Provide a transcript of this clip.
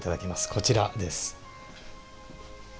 こちらです。